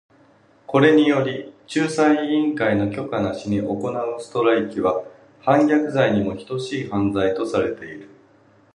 これにより、仲裁委員会の許可なしに行うストライキは反逆罪にも等しい犯罪とされている。